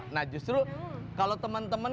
nah justru kalo temen temen